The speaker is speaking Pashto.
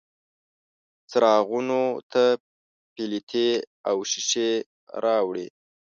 څراغونو ته پیلتې او ښیښې راوړي